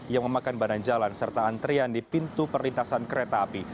yang memakan badan jalan serta antrian di pintu perlintasan kereta api